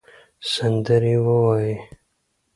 سندرې ووایې